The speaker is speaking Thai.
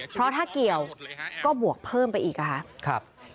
เพราะถ้าเกี่ยวก็บวกเพิ่มไปอีกค่ะ